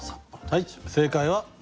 はい正解は。